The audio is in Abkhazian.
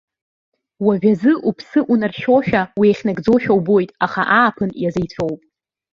Уажәазы уԥсы унаршьошәа, уеихьнагӡошәа убоит, аха ааԥын иазеицәоуп.